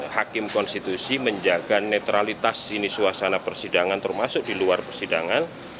hakim konstitusi menjaga netralitas ini suasana persidangan termasuk di luar persidangan